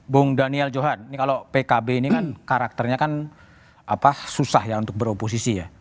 bung daniel johan ini kalau pkb ini kan karakternya kan susah ya untuk beroposisi ya